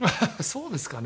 そうですかね？